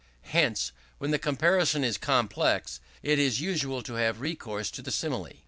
Hence, when the comparison is complex, it is usual to have recourse to the Simile.